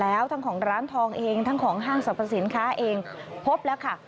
แล้วเขาก็โดดเข้ามา